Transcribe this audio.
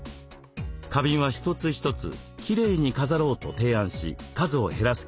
花瓶は一つ一つ「きれいに飾ろう」と提案し数を減らすこと。